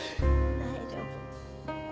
大丈夫。